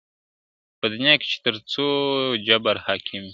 په دنیا کي چي تر څو جبر حاکم وي..